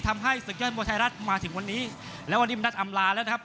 มาถึงวันนี้แล้ววันนี้มันดัดอำลาแล้วนะครับ